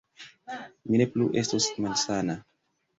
Mi ne plu estos malsana